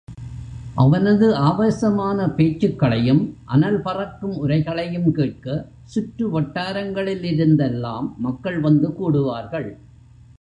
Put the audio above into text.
அவனது ஆவேசமான பேச்சுக்களையும், அனல் பறக்கும் உரைகளையும் கேட்க சுற்று வட்டாரங்களிலிருந்தெல்லாம் மக்கள் வந்து கூடுவார்கள்.